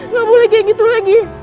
gak boleh kayak gitu lagi